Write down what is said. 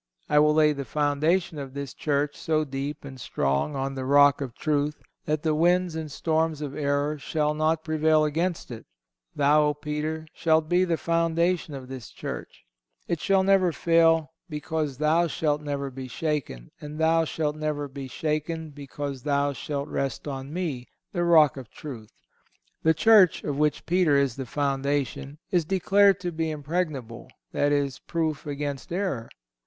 I will lay the foundation of this Church so deep and strong on the rock of truth that the winds and storms of error shall not prevail against it. Thou, O Peter, shalt be the foundation of this Church. It shall never fall, because thou shalt never be shaken; and thou shalt never be shaken, because thou shalt rest on Me, the rock of truth." The Church, of which Peter is the foundation, is declared to be impregnable—that is, proof against error.